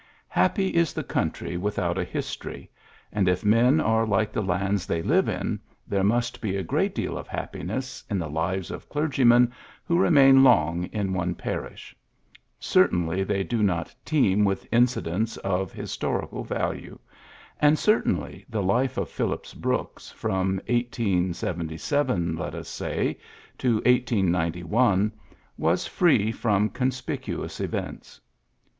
Happy is the country without a history ; and, if men are like the lands they live in, there must be a great deal of happiness in the lives of clergymen who remain long in one parish. Certainly, they do not teem with incidents of historical value ; and, certainly, the life of Phillips Brooks fi'om 1877 let us say to 1891 was free from conspicuous events.